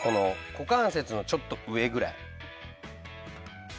こかんせつのちょっと上ぐらい。